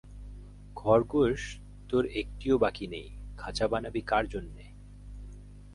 খরগোশ তোর একটিও বাকি নেই, খাঁচা বানাবি কার জন্যে?